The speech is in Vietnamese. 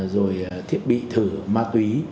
rồi thiết bị thử ma túy